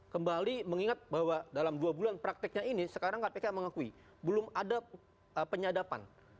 kembali mengingat bahwa dalam dua bulan prakteknya ini sekarang kpk mengakui belum ada penyadapan